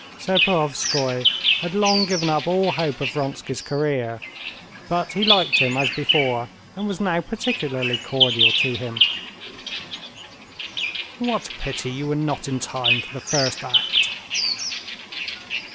Serpuhovskoy had long given up all hope of Vronsky's career, but he liked him as before, and was now particularly cordial to him. "What a pity you were not in time for the first act!"